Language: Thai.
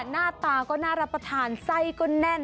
หน้าตาก็น่ารับประทานไส้ก็แน่น